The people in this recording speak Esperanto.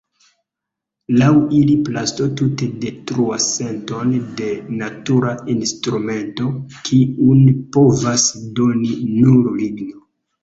Laŭ ili plasto tute detruas senton de natura instrumento, kiun povas doni nur ligno.